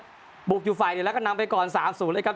ออสเตรเลียครับบุกอยู่ฝ่ายเดี๋ยวแล้วก็นำไปก่อนสามศูนย์เลยครับ